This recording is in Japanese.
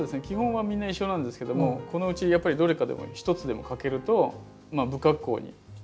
基本はみんな一緒なんですけどもこのうちやっぱりどれかでも一つでも欠けるとまあ不格好に。